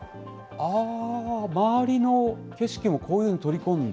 周りの景色もこういうふうに取り込んで。